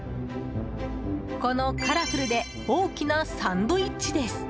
このカラフルで大きなサンドイッチです。